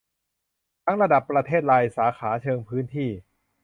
ทั้งระดับประเทศ รายสาขา เชิงพื้นที่